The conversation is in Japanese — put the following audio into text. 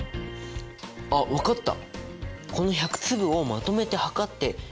あっ分かった！